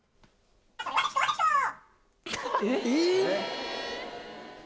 えっ？